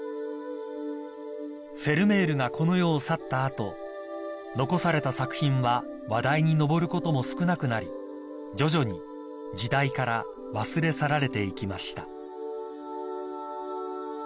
［フェルメールがこの世を去った後残された作品は話題に上ることも少なくなり徐々に時代から忘れ去られていきました］